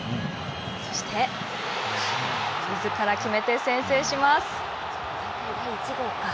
そして、みずから決めて先制します。